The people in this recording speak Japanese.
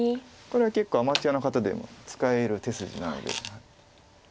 これは結構アマチュアの方でも使える手筋なので。